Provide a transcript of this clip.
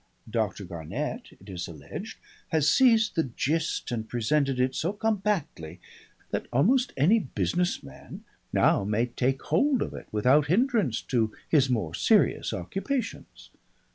Doctor Garnett, it is alleged, has seized the gist and presented it so compactly that almost any business man now may take hold of it without hindrance to his more serious occupations.